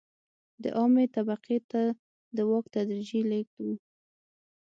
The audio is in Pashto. د عامې طبقې ته د واک تدریجي لېږد و.